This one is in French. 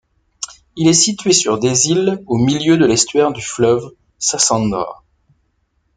Il est situé sur des îles au milieu de l'estuaire du fleuve Sassandra.